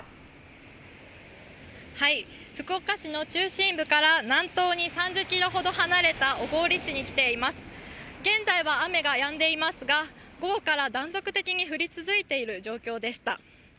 福岡市の中心部から南東に３０ｋｍほど離れた小郡市に来ています、現在は雨がやんでいますが、午後から断続的に降り続いている状況でした。